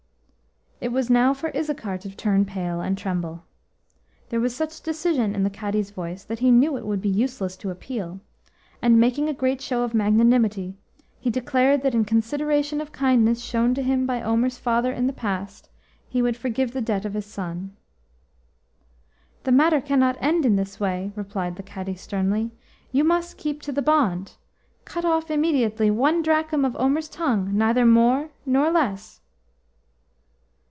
It was now for Issachar to turn pale and tremble. There was such decision in the Cadi's voice that he knew it would be useless to appeal, and, making a great show of magnanimity, he declared that in consideration of kindness shown to him by Omer's father in the past he would forgive the debt of his son. HE matter cannot end in this way," replied the Cadi sternly. "You must keep to the bond. Cut off immediately one drachm of Omer's tongue, neither more nor less."